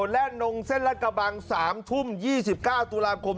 แล่นลงเส้นรัดกระบัง๓ทุ่ม๒๙ตุลาคม